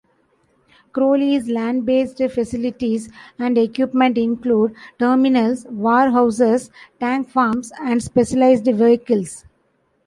Crowley's land-based facilities and equipment include terminals, warehouses, tank farms, and specialized vehicles.